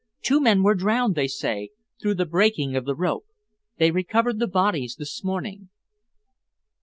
Two men were drowned, they say, through the breaking of the rope. They recovered the bodies this morning."